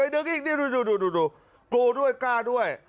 ดึงอีกดูดูดูกลัวด้วยกล้าด้วย